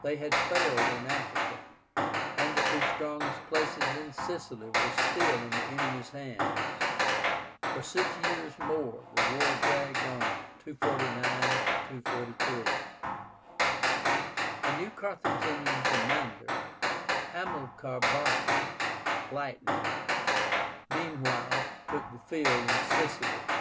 They had failed in Africa, and the two strongest places in Sicily were still in the enemy's hands. For six years more the war dragged on (249 243). A new Carthaginian commander, HAMILCAR BARCA (Lightning), meanwhile took the field in Sicily.